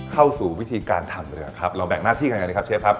เข้าสู่วิธีการทำเลยล่ะครับเราแบ่งหน้าที่กันยังไงดีครับเชฟครับ